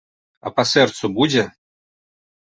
А па сэрцу будзе?